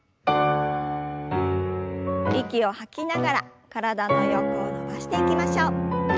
息を吐きながら体の横を伸ばしていきましょう。